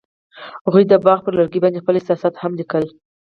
هغوی د باغ پر لرګي باندې خپل احساسات هم لیکل.